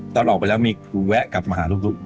ตอนออกไปแล้วมีครูแวะกลับมาหาลูก